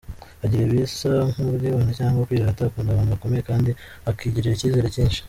Agira ibisa nk’ubwibone cyangwa kwirata, akunda abantu bakomeye kandi akigirira icyizere cyinshi.